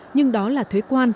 nhưng đó là thuế quan